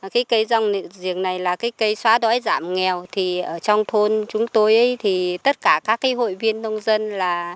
cái cây rong giềng này là cái cây xóa đói giảm nghèo thì ở trong thôn chúng tôi thì tất cả các cái hội viên nông dân là